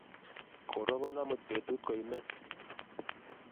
Korobon amut betut koimen